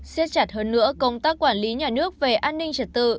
xiết chặt hơn nữa công tác quản lý nhà nước về an ninh trật tự